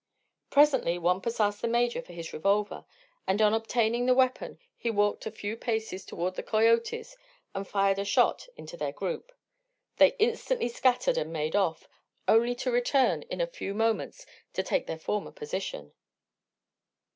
Presently Wampus asked the Major for his revolver, and on obtaining the weapon he walked a few paces toward the coyotes and fired a shot into their group. They instantly scattered and made off, only to return in a few moments to their former position.